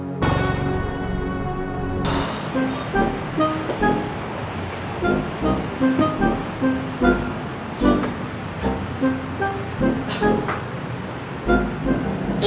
gue mau ke rumahnya